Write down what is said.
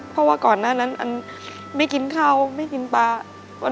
เพราะว่าก่อนหน้านั้นอันไม่กินข้าวไม่กินปลา